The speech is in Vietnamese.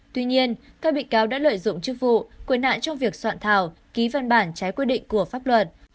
tuy nhiên các bị cáo đã lợi dụng chức vụ quyền hạn trong việc soạn thảo ký văn bản trái quy định của pháp luật